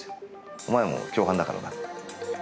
お前も共犯だからな。